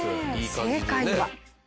正解は。